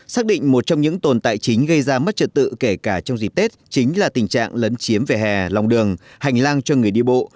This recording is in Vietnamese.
xác định một trong những tồn tại chính gây ra mất trật tự kể cả trong dịp tết chính là tình trạng lấn chiếm về hè lòng đường hành lang cho người đi bộ